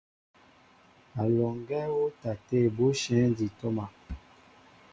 A lɔŋgɛ wɔtaté bushɛŋ di toma.